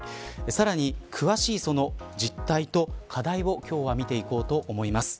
さらに、詳しいその実態と課題を今日は見ていこうと思います。